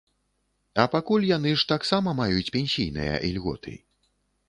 А пакуль яны ж таксама маюць пенсійныя ільготы.